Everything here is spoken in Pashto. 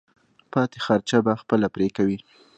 پاتې خرچه به خپله پرې کوې.